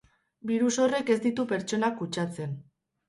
Birus horrek ez ditu pertsonak kutsatzen.